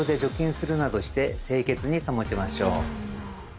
清潔に保ちましょう。